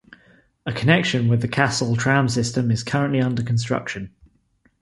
A connection with the Kassel tram system is currently under construction.